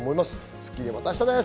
『スッキリ』はまた明日です。